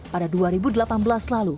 pada dua ribu delapan belas lalu